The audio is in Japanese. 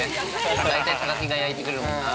大体、高木が焼いてくれるもんな。